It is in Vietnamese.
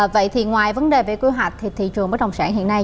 vậy thì ngoài vấn đề về quy hoạch thì thị trường bất động sản hiện nay